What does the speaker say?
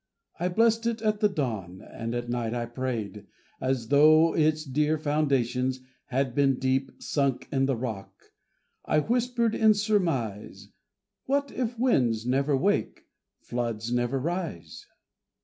I blessed it at the dawn, at night I prayed As though its dear foundations had been deep Sunk in the rock. I whispered in surmise, "What if winds never wake, floods never rise?"